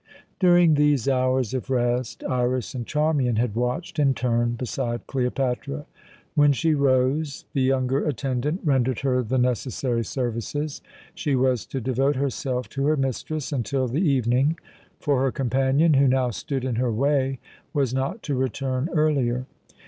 During these hours of rest Iras and Charmian had watched in turn beside Cleopatra. When she rose, the younger attendant rendered her the necessary services. She was to devote herself to her mistress until the evening; for her companion, who now stood in her way, was not to return earlier.